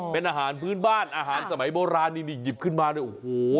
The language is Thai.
เป็นอาหารพื้นบ้านอาหารสมัยโบราณนี่นี่หยิบขึ้นมาเนี่ยโอ้โห